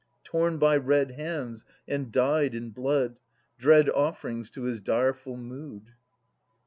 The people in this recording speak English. Torn by red hands and dyed in blood. Dread offerings to his direful mood.